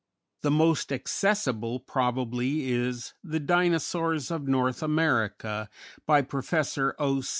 The most accessible probably is "The Dinosaurs of North America," by Professor O.